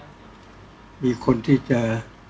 ก็ต้องทำอย่างที่บอกว่าช่องคุณวิชากำลังทำอยู่นั่นนะครับ